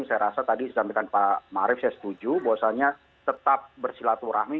saya rasa tadi disampaikan pak marif saya setuju bahwasannya tetap bersilaturahmi